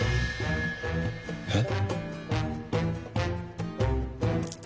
えっ？